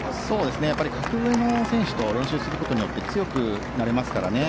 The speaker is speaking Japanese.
格上の選手と練習することによって強くなれますからね。